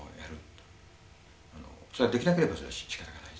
それはできなければそれはしかたがない。